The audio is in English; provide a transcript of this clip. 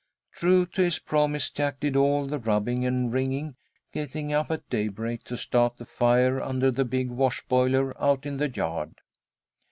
True to his promise, Jack did all the rubbing and wringing, getting up at daybreak to start the fire under the big wash boiler out in the yard.